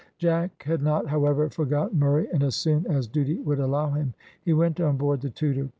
Jack had not, however, forgotten Murray, and as soon as duty would allow him, he went on board the Tudor.